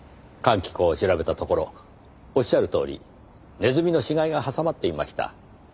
換気口を調べたところおっしゃるとおりネズミの死骸が挟まっていました。